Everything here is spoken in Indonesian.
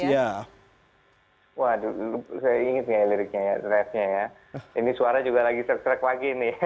waduh saya ingat ya liriknya ini suara juga lagi serak serak lagi nih